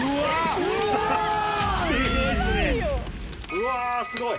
うわあすごい。